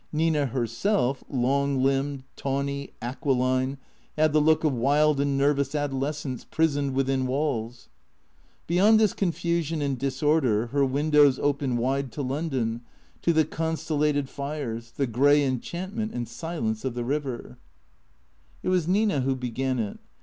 Nina herself, long limbed, tawny, aquiline, had the look of wild and nervous adolescence prisoned within walls. Beyond this confusion and disorder, her windows opened wide to London, to the constellated fires, the grey enchantment and silence of the river. 102 THE CREATORS 103 It was Nina who began it.